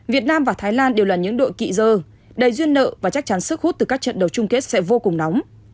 việt nam và thái lan đều là những đội kỵ dơ đầy duyên nợ và chắc chắn sức hút từ các trận đấu chung kết sẽ vô cùng nóng